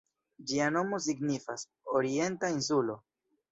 Ĝia nomo signifas "Orienta insulo".